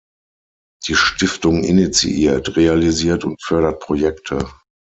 Die Stiftung initiiert, realisiert und fördert Projekte.